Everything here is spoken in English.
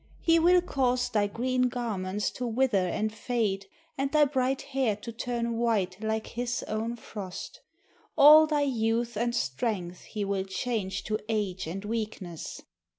He will cause thy green garments to wither and fade and thy bright hair to turn white like his own frost. All thy youth and strength he will change to age and weakness."